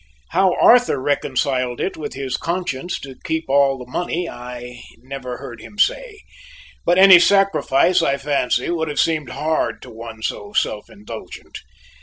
How Arthur reconciled it with his conscience to keep all the money, I never heard him say, but any sacrifice, I fancy, would have seemed hard to one so self indulgent.